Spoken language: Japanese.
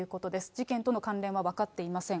事件との関連は分かっていません。